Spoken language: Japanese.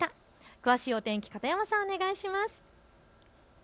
詳しいお天気、片山さん、お願いします。